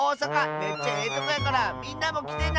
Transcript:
めっちゃええとこやからみんなもきてな！